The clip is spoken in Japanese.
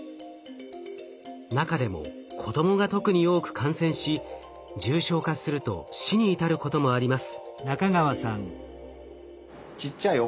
中でも子どもが特に多く感染し重症化すると死に至ることもあります。